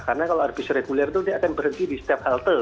karena kalau ada bis reguler itu dia akan berhenti di sepeda motor